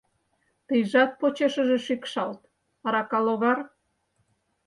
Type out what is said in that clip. — Тыйжат почешыже шикшалт, арака логар!